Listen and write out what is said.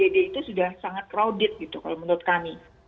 di tiap rumah sakit